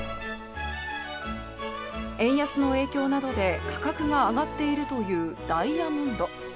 円安の影響などで価格が上がっているというダイヤモンド。